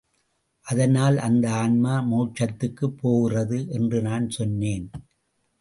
அதனால், அந்த ஆன்மா மோட்சத்துக்குப் போகிறது என்று நான் சொன்னேன்.